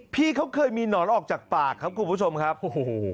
พี่เขาเคยมีหนอนออกจากปากครับคุณผู้ชมครับโอ้โห